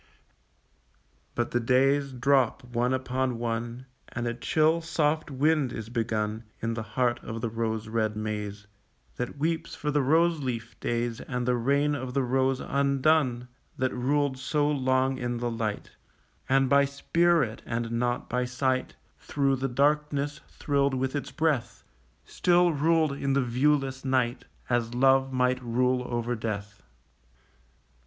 But the days drop one upon one, And a chill soft wind is begun In the heart of the rose red maze That weeps for the roseleaf days And the reign of the rose undone That ruled so long in the light, And by spirit, and not by sight, Through the darkness thrilled with its breath, Still ruled in the viewless night, As love might rule over death.